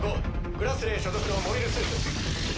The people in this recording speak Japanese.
「グラスレー」所属のモビルスーツ。